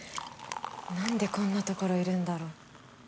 なんでこんな所いるんだろう